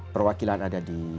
perwakilan ada di